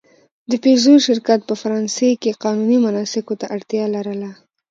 د پيژو شرکت په فرانسې کې قانوني مناسکو ته اړتیا لرله.